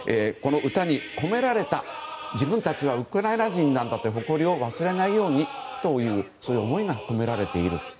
この歌に込められた自分たちはウクライナ人なんだという誇りを忘れないようにという思いが込められている。